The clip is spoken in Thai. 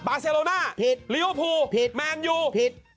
บาร์เซโรน่าพิชลิ้โอภูพิชมันยูพิช